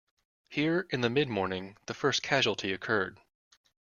Here, in the midmorning, the first casualty occurred.